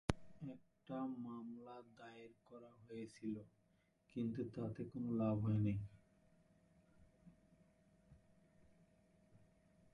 একটা মামলা দায়ের করা হয়েছিল কিন্তু তাতে কোনো লাভ হয়নি।